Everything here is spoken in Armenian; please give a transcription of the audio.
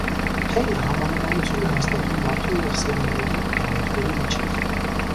Փեյնը համանմանություն է հաստատում մարդու և սերունդների իրավունքների միջև։